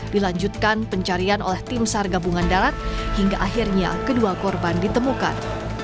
dilanjutkan pencarian oleh tim sar gabungan darat hingga akhirnya kedua korban ditemukan